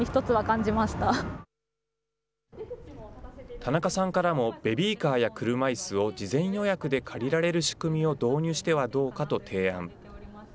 田中さんからも、ベビーカーや車いすを事前予約で借りられる仕組みを導入してはどうかと提案。